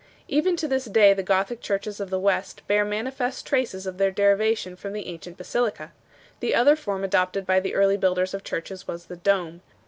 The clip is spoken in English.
Even to this day the Gothic churches of the West bear manifest traces of their derivation from the ancient basilica. The other form adopted by the early builders of churches was the dome.